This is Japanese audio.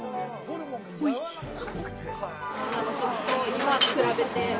おいしそう！